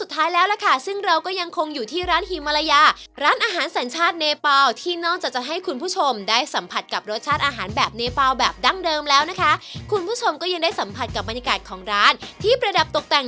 แบบนะคะคนผู้ชมกินได้สัมผัสกับบรรยากาศของร้านที่บระดับตกแต่ง